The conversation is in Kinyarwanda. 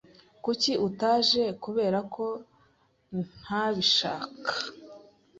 "Kuki utaje?" "Kubera ko ntabishaka."